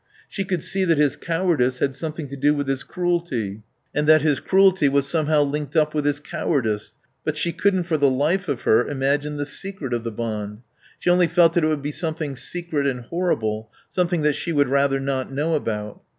She could see that his cowardice had something to do with his cruelty and that his cruelty was somehow linked up with his cowardice; but she couldn't for the life of her imagine the secret of the bond. She only felt that it would be something secret and horrible; something that she would rather not know about.